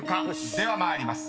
［では参ります。